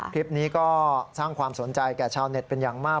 คลิปนี้ก็สร้างความสนใจแก่ชาวเน็ตเป็นอย่างมาก